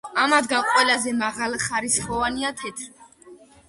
ამათგან ყველაზე მაღალხარისხოვანია თეთრი.